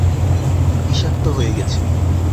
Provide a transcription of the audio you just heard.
বিষাক্ত হয়ে গেছে!